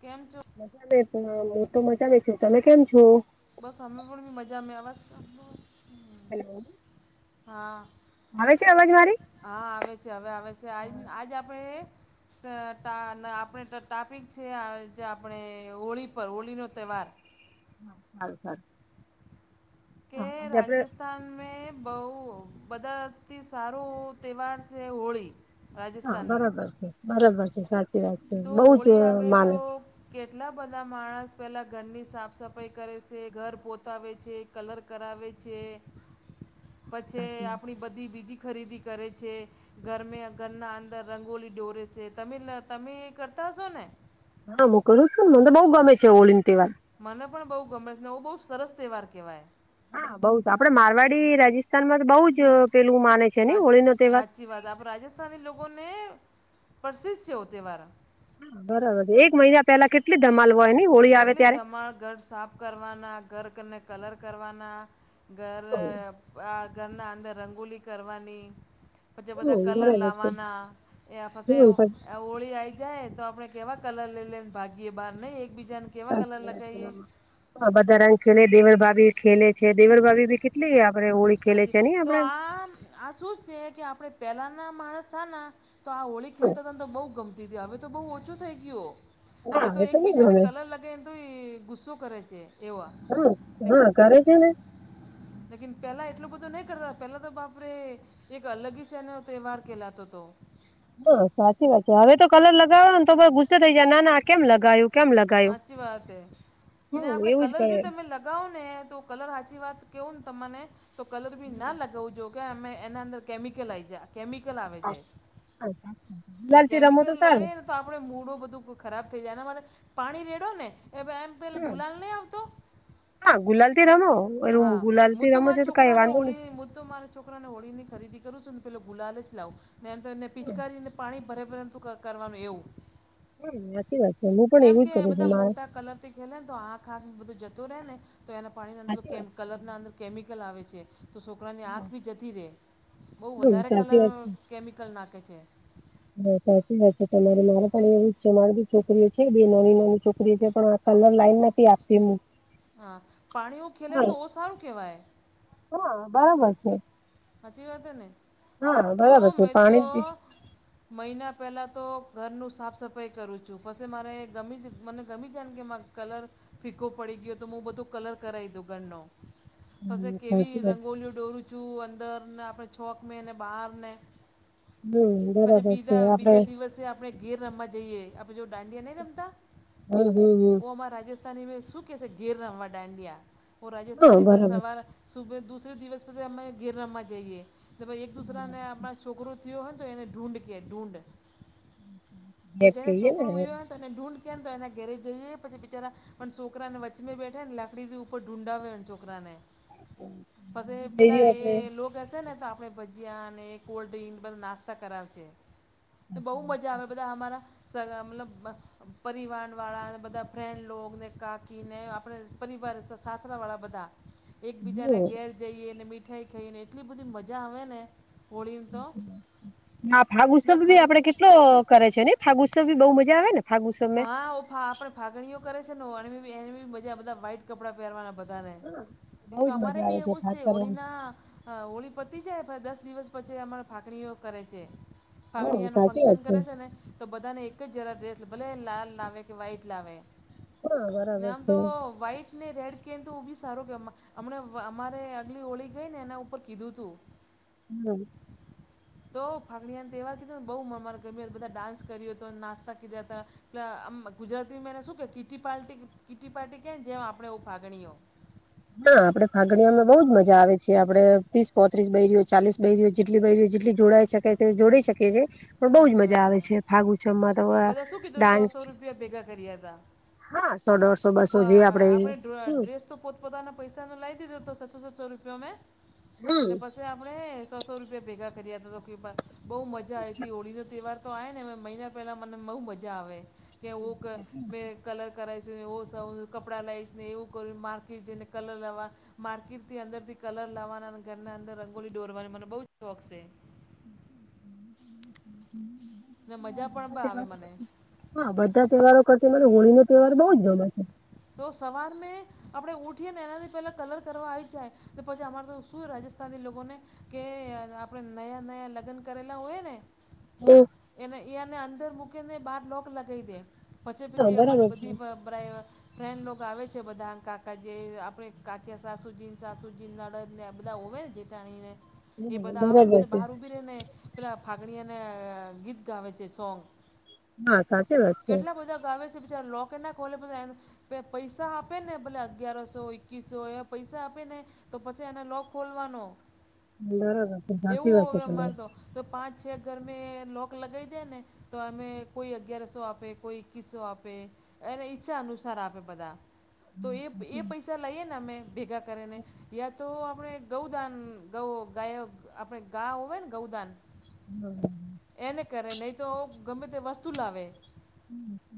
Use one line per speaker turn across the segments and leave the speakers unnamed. કેમ છો
મજા હું તો મજા મે છું. તમે કેમ છો
બસ અમે પણી મજા મે આ
[inaudible]
હા
હવે છે અવાજ
હા આવે છે. હવે આવે છે. આજ
હા
આજ આપડે [unintelligible]
હા સારું સારું
કે
હા આજે આપડે
રાજસ્થાન રાજસ્થાન બહુ બધાથી સારો તહેવાર છે હોળી
હા
રાજસ્થાનની
બરાબર છે બરાબર છે સાચી વાત છે
તો
બઉ જ
હોળી આવે તો
માને.
કેટલા બધા માણસ પહેલાં ઘરની સાફ સફાઈ કરે છે ઘર પોતાવે છે. કલર કરાવે છે.
[inaudible]
પછી
વાત છે.
આપણી બધી બીજી ખરીદી કરે છે ઘર ઘરના અંદર રંગોલી દોરે છે. તમિલના તમેમે કરતાસો નને.
હા મોકલું છું મને બઉુ ગમે છે ઓળીને તવાર.
મને પણ બહુ ગમે ને આવું બહુ સરસ તહેવાર કહેવાય.
હા બઉ આપડે મારવાડી રાજસ્થાન માં તો બઉ જ પેલું માને છે.
હા
નઈ હોળી નો તહેવાર.
સાાચ્ચી વાત આપ રાજસ્થાની લોકોને પ્રસિદ્ધ છે હો તહેવાાર
હા બરાબર છે એક મહિના પેલા કેટલી ધમાલ હોય ની હોળી આવે ત્યારે
પ્રમાણ ઘર સાફ કરવાના ઘર કને કલર કરવાના ઘર આ ઘરના અંદર રંગોલી કરવાની પછ
હમ્મ
બધા કલર
બરાબર છે
લાવવાના એ ફ
હમ્મ પછ
આ ઓળી આવી જાય તો આપણે કેવા કલર લઈ લને ભાગીએ બહાર નહીં એકબીજાને કેવા કલર લગએ
હ બધા રંગ ખેલે દેવરભાભી ખેલે છે દેવરભાભી ભી કેટલી આપડે હોળી ખેલે
આજે
છે હ
તો
આપડે
આ આ શું જ છે કે આપણે પહેલા ના માણસ થા તો આ હોળી
હમ,
ખેલતો હતા તો બઉુ ગમ દીદી હવે તો બહુ ઓછું થઈ ગયું
હા
હવે તો
એ
એક
નઈ
બીજાને
ગમે
કલર લગે તો એ ગુસ્સો કરે છે એવા
હા હા ઘરે છે ને
લેન પેલા એટલું બધું નહી કરતા પેલા તો બાપરેે એક અલગીશ એનો ત્યવવાહાર કેલા તો તો
હા સાચી વાત છે હવે તો કલર લગાવો ને તો ગુસ્સે થઇ જાય ના ના કેમ લગાવ્યું
સાચી વાત હ ને
હમ
આપડે
એવું જ
કલર
કરે
ભી તમે લગાવો ને તો કલર હચી વાત કેહવું ને તને તો કલર બી ના લગાવ જોો અમે એના અંદર કેમિકલ આ આવી જાય કેમિકલ આવે છે
હા ગુલાલ થી રમો તો
કેમિકલ
સારું
લગાવને તો આપણે મૂડો બધું ખરાબ થઈ જાય એ પાણી રેડો ને એમ પે
હમ
ગુલાલ નહી આવતો
હા ગુલાલ થી રમો એ ગુલાલ થી રમો છો તો કઈ વાંધો નહી
મુદ્દો મારો ચ છોકરાને ઓળીની ખરીદી કરું છું ને પેલો ગુલા જ લાવું ને એમ તો એને પચકારીને પાણી ભરે ભરેને તો કરવાનું એવું
હમ સાચી વાત છે હું પણ
કેમ
એવું જ
કે
કરું છું
બધા
મારે
મોટા કલરથી તો આંખ આખ બધું જતું રહે ને તો એના
સાચી
પાણીંદર
વાત
કલર અંદર કેમ આવે છે તો છોકરાની આંખ બી જતી રહે બહુ
હમ
વધારે
સાચી
કલર
વાત છે
કેમિકલ નાખ છે
હા સાચી વા છે તમારે મારે પણ એવું છે મારી બી છોકરીઓ છે બે નાની નાની છોકરી જ પણ આ કલર લાઈન નથી આપીું
હા પાણી એવું ખેલે ને તો ઓ સારું કહેવાય
હા બરાબર છે
હચી વાતો નને
હા બરાબર
તોું
છે
મે તો
પાણી જ.
મહિના પહેલાં તો ઘરનું સાફ સફાઈ કરું છું પછ મારે ગમેી જ મને ગમી જને કે મા કલર ફીકો પડી ગયો તો હું બધો કલર કરાવી દઉ ઘરનો પ
હમ
કેવી
સાચી વાત
રંગોલીઓ દોરું છું અને આપ છોક બહારને
હમ
પછી
બરાબર છે
બીા
આપડે
બીજા દિવસે આપ આપણે ઘેર રમવા જઈએ આપણે જો દાંડિયા નહીં રમતા
હમ હમ હમ
માં રાજસ્થાનીમાં શું કહે ઘેર રમવા દાંડિયા પો
હા
રાજસ્થાની પર
બરાબર છે.
સવારે સુે દુસરે દિવસ પછી અમે ઘેર રમવા જઈએ કે ભાઈ એક દુસરાને આપણા છોકરો થયો તો એને ઢૂઢ કે ઢૂંઢ તો
ગેપ
જેનો
કહીએ ને
છોકરો યો તો ને ઢુંંડ કેમ તો એના ઘેરે જઈએ પછી બિચારા પણ છોકરાને વછમમે બેઠા ને લકડીથી ઉપર ડુંડા વ છોકરાને પસે પેલા
બીજું આપડે
લો હશે ને તો આપડણે ભજીયા અને કોલ્ડ ડ્રિંક બધા નાસ્તા કરાવે બહુ મજા આવે બધા અમારા મતલબ પરિવાર વાળા બધા ફન્ડ લોગ ને કાકી ને આપણે પરિવાર તો સાસત્ર વાળા બધા એકબીજા ને
હમ
ઘેર જઈએ ને મીઠાઈ ખાઈ ને એટલી બધી મજા આવે ને હોળીને તો
હા ફાગ
ને
ઉત્સવ ભી
ખરી
આપડે કેટલો કરે છે ને ફાગ ઉત્સવ ભી બહુ મજા આવે ને ફાગ ઉત્સવ મે
હા ઓફા આપણે ફાગણીઓ કરે છે ને એની બી બજા બધા વાઈટ કપડા પહેરવાના બધાને
હા બઉ
તો
જ
અમારે
મજા
બી
આવે
એવું
ફાગ
છે
કરવાની
હોળીના હા હોળી પતી જાય દસ દિવસ પછી અમારા ફાકરીઓ કરે છે
હમ
ફાગણીઓનો
સાચી
ફંક્શન
વાત
કરે છે ને તો બધાને એક જ જરા ડ્રેસ ભલે લાલ લાવે કે વ્હાઈટ લાવે
હા
અને
બરાબર
આમ
છે.
તો વ્હાઈટ ને રેડ કેન તો બી સારો કેવામાં હમણા અમારે આગલી ઓળી ગઈ ને એના ઉપર કીધું તું
હમ
તો ફાગડીને તહેવાર કીધોને બઉ મમારે બધા ડાન્સ કર્યો હતો નાસ્તા કીધ્યા હતા એલે આમ ગુજરાતી મેને શું કે કીટી પાર્ટી કીટી પાર્ટી કે ને જેમ આપણે એવું ફાગણીઓ
હા આપડે ફાગડિયામાં બઉજ મજા આવે છે આપડે ત્રીસ પોત્રીસ [unintelligible] ચાલીસ બે દિવસ જેટલી બે દિવસ જેટલી જોડાઈ શકે છે જોડી શકે છે પણ બઉજ
સાચી
મજા
વાત
આવે
હે.
છે ફાગુચમ માં તો
બધા શું કીધું સો
ડાન્સ
સો રૂપિયા ભેગા કર્યા હતા
હા સો દોઢસો બસો જે આપડે
પણ આપણે ડ્ર- ડ્રેસ તો પોતપોતાના પૈસા નું લાવ દીધો તો સસ્સો સસ્સો રૂપિયા મેં
હમ
ને પસ આપણે સો સો રૂપિયા ભેગા કર્યા હતા તો કે બહુ મજા આવી હતી હોળી નો તહેવાર તો આવે ને મહિના પહેલાં મને બહુ મજા આવે કે ઓક મે કલર કરાવ છે ને એ કપડાં લઈશ ને એવું કર્યું માર્કને કલર લાવવા માર્કેટ થી અંદરથી કલર લાવવાના અને ઘરના અંદર રંગોલી દોરવાની મને બહુ જ શોખ છે
હમ
ને મજા પણ બો આવે મને
હા બધા તહેવારો કરતા મને હોળી નો તહેવાર બઉ જ ગમે છે
તો સવાર મેં આપણે ઊઠીએ ને એનાથી પહેલાં કલર કરવા આવી જાય તો પછી અમારે તો શું રાજસ થાને લોકોને કે આપણે નયા નયા લગ્ન કરેલા હોય ને
હમ
એને એને અંદર મૂકી ને બાર લોક લગાવી દે પછી
હા
પછી
બરાબર
અમારી
છે
બધી બ [unintelligible] ફ્રેન્ન આવે છે બધા કાકા જે આપણે કાકી સાસુજીન સાસજીન નરદ ને બધા હોવે ને જે જાણીને એ
હા,
બધા આવે ને
બરાબર
પછી
છે.
બહાર ઉભી રે ને પેલા ફાગણીયાને ગીત ગાવે છે સોંગ
હા સાચી વાત છે
કેટલા બધા ગાવે છે બિચારા લોકેટ ના કોલે બધા પૈસા આપે ને ભલે અગિયારસો એકવીસો એવા પૈસા આપે ને તો પછી એને લોક ખોલવાનો એવું હવે અમારે તો
[unintelligible]
તો પાંચ છ ઘર મેં લોક લગાવી દે ને તો અમે કોઈ અગિયારસો આપે કોઈ એકકીસો આપે એને ઈચ્છા અનુસાર આપે બધા તો એ એ પૈસા લઈએ ને અમે ભેગા કરેને યા તો આપણે ગૌદાન ગૌ ગાય આપણે ગા હોય ને ગૌદાન
હમ
એને કરે નઈ તો ગમે તે વસ્તુ લાવે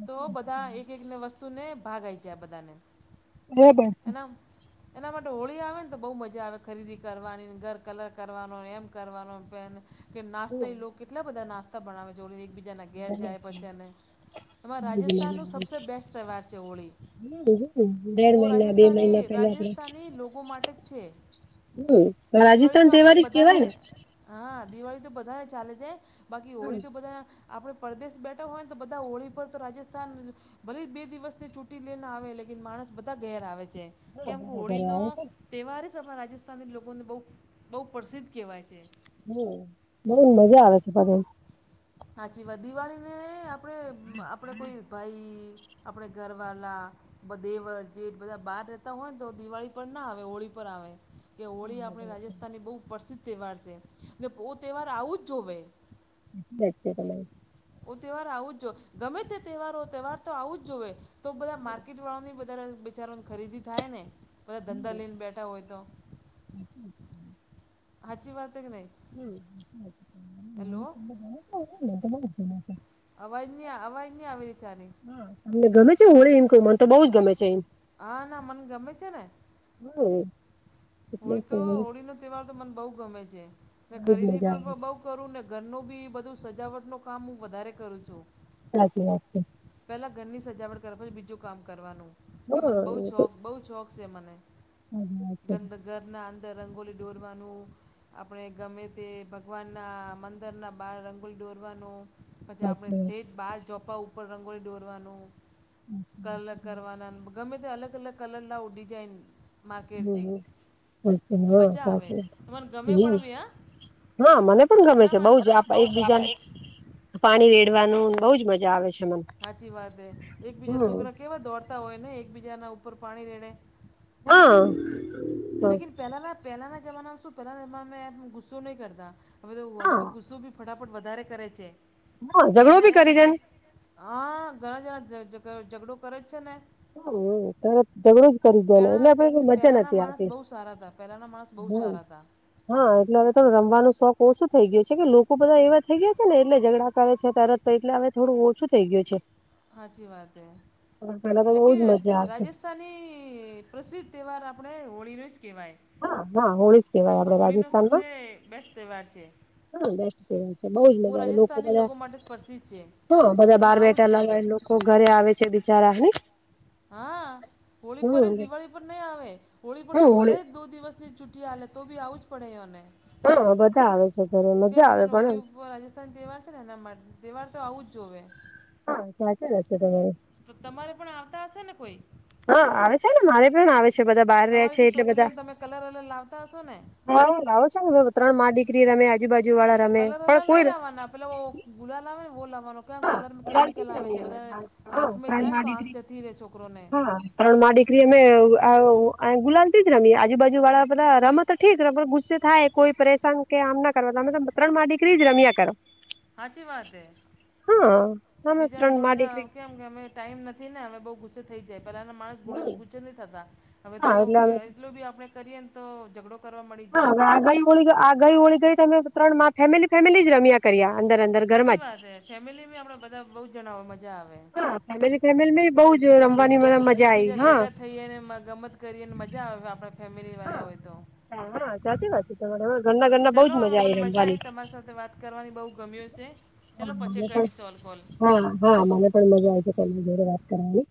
તો બધા એ એક ને વસ્તુને ભાગ આવી જાય બધાને
બરાબર
[unintelligible] એના માટે હોળી આવે ને તો બહુ મજા આવે ખરીદી કરવાની ઘર કલર કરવાનો એમ કરવાનો પેન કે નાસ્તા એ લોક કેટલા બધા નાસ્તા બનાવે એક બી જેના ઘેર જાય પછી અને તેમા રાજસ્થાન નું સબસે બેસ્ટ તહેવાર છે હોળી
દેઢ
ઓ
મહિના બે
રાજસ્થાની
મહિના પેલા આપડે
રાજસ્થાની લોકો માટે જ છે
એવુ
દિવાળી તો
રાજસ્થાન
આપણે
તહેવારી જ
બધાને
કેવાય ને
હા દિવાળી તો બધાને ચાલે છે બાકી
હમ્મ,
હોળી તો બધા આપણે પરદેશ બેઠા હોય ને તો બધા હોળી પર તો રાજસ્થાન ભલે બે દિવસની છૂટી લઈને આવે લેકીન માણસ બધા ઘેર આવે છે.
હા
કેમ કે
બરાબર
હોળીનો
આવે છે ને.
તહેવાર જ અમા રાજસ્થાની લોકોને બહુ બહુ પ્રસિદ્ધ કહેવાય છે.
હમ. બહુ મજા આવે છે. [inaudible]
હાચી વાત. દિવાળીને આપણે આપડે કોઈ ભાઈ આપણે ઘરવાલા બધ દેવર, જેેઠ બધા બહાર રેતા હોય ને તો દિવાળી પર ના આવે હોળી પર આવે. કે હોળી આપણે
સાચી
રાજસ્થાનની બહુ પ્રસિદ્ધ તહેવાર છે ને પો તહેવાર આવું જ જોવે.
[inaudible]
ઓ તહેવાર આવું જ જો. ગમે તે તહેવાર હોય તહેવાર તો આવું જ જોવે. તો બધા માર્કેટવાળાની બધારે બેચારાની ખરીદી થાય ને. બધા ધંધા લઈને બેઠા હોય તો.
[inaudible]
હાચી વાત હે કે નહીં?
હમ [inaudible]
હલો
[inaudible]
અવાજ ની અવાય ની આવી રહી છે આની.
હા, તમને ગમે છે હોડી? એમ કઉં મન તો બઉ જ ગમે છે એમ.
આ હા મન ગમે છે ને.
હમ
હોળી તો હોળીનો તહેવાર તો મને બઉ ગમે છે. ને
બહુ જ
ખરીદી
મજા
પર
આવે છે.
પર બહુ કરું ને. ઘરનું બી બધું સજાવટનું કામ હું વધારે કરું છું.
સાચી વાત છે.
પહેલા ઘરની સજાવટ કરવા પછી બીજું કામ કરવાનું. કે મને
હા
બહુ
એ તો
શોખ બહુ છોખ છે મને.
સાચી વાત છે,
ગંદ ઘરના અંદર રંગોલી ડોરવાનું. આપણે ગમે તે ભગવાનના મંદરના બાર રંગોલી દોરવાનો. પછી આપણે
સાચી વાત.
સેટ બાર જોપા ઉપર રંગોળી દોરવાનું. કલર કરવાના ને ગમે તે અલગ અલગ કલર લાઓ ડિજાઇન
હમ હમ બિલકુલ હા
મજા આવે
સાચી
મને ગમે
વાત હમ.
પણ બી હા
હા મને પણ ગમે
એના
છે બહુ
માટે
જ આપ
આ-
એકબીજાને પાણી રેડવાનું ને બહુ જ મજા આવે છે. મને.
હાચી વાત હે. એકબીજા
હમ્મ.
સોકરા કેવા દોડતા હોય ને એક બીજાના ઉપર પાણી રેડે.
હહ
લેકીન પહેલાના પહેલાના જમાનામાં શું પહેલાના જમાના માં ગુસ્સો નહી કરતા. હવે તો હવે
હા
તો ગુસ્સો બી ફટાફટ વધારે કરે છે.
હા ઝઘડો
જેને
બી
એમ
કરી જાય ને.
[inaudible] હા ઘણા જણા જ જ ઝઘડો કરે જ છે ને.
હમ હમ તરત ઝગડો જ કરી દે ને
પહેલાંના
એટલે આપણે મજા
પહેલાંના
નથી
માણસ
આવતી.
બહુ સારા તા. પહેલાંના માણસ બહુ
હમ
સારા તા.
હા એટલે હવે તો રમવાનો શોખ ઓછું થઈ ગયો છે. કે લોકો બધા એવા થઈ ગયા છે ને એટલે ઝઘડા કરે છે તરત. તો એટલે હવે થોડું ઓછું થઇ ગયું છે.
હાચી વાત હૈ.
પેલા તો બહુ જ
લેકિન
મજા આવતી.
રાજ તાની પ્રસિદ્ધ તહેવાર આપણે હોળીનો જ કહેવાય.
હા હા હોળી કેવાય આપડે
હોળીનો સબસે બેસ્ટ તહેવાર છે.
હહ બેસ્ટ તહેવાર છે. બહુ જ
ઓ
મજા આવે. લોકો
રાજસ્થાની
બધા
માટે જ પ્રસિદ્ધ છે
હહ બધા
ને
બાર
આવું જ
બેઠાલા
જોવે
લોકો લોક ઘરે આવે છે બિચારા નહીં?
હા હોળી પર જ દિવાળી પર નહી આવે. હોળી પર
હમ
તો ભલે
હોળી
દો દિવસ ની છૂટી આલે તો બી આવું જ પડે એવાને.
હા બધા આવે છે. ઘરે મજા આવે
બધાને હોળી
પણ.
ઉપર રાજસ્થાની તહેવાર છે ને એના માટે. તહેવાર તો આવું જ જોવે.
હા સાચા જશે તમારે
તો તમારે પણ આવતા હશે ને કોઈ
હા આવેશે્યાન મારે પણ આ્ય છે બધા બહાર રહે
તમારી
છે
બી
એટલે બધા
છોકરીઓને તમે કલર વલર લાવતા હશો ને
હા રાો છ ત્રણ મામાં દીક્રી રમે આજબજુળા
કલર વલર નહ લાવવાના પેલા ગુલા લાવવા ને બો લાવવાનો તો કલરમાં
હા
કેમિકલ આવે જે બધાને આંખમાં
ત્રણ
જાયને તો આંખ જતી રહે છોકરોને
તણ મા દીકરી અમે ગુલાલ થી જ રમી આજુબાજુ વાળા બધા રમત તો ઠીક ર ગુસ્સે થાય કોઈ પરેશાન કે આમ ના કરવા તમેમે ત્રણમાં દડીક્રી જ રમ્યા કરો
સાાચી વાત હૈ
હા નામત્રંગ મળીિક્રી
કેમ કે અમે ટાઈમ નથી ને અમે બહુ ગુચ્છ થઈ જાય પણ આના થ
હા એટલે
હવે
અમે
એટ બી આપણે કરીએ તોડ
હા આ ગ ઓળી આ ગઈ ઓળી ગઈ તમે ત્રણ મા ફેમિલી ફેમિલી જ રમ્યા કર્યા અંદર અંદર
સાચી
ઘરમાં
વાત
જ
હે ફેમિલીમાં આપણા બધા બહુ જણાવો મજા આવે
હા ફેમિલી ફેમિલી મે બઉ જ
એકબીજા
રમવાની
ભેગા
મજા આવી
એકબીજા
હા
ભેગા થઈને ગમત કરીને મજા આવે આપણા ફેમિલી વાલા હોય તો
હા હા સાચી વાત છે તમારે ઘરના ઘરના બહુજ મજા આવી રમવાની
અરી સાથે વાત કરવાની બહુ ગમી છે
હા
ચલો પછી
મને પણ
કરીશ ઓલ કોલ
હા હા મને પણ મજા આય છે પ જોડ વાત કરાવની